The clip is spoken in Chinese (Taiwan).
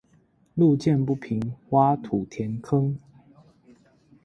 路見不平，挖土填坑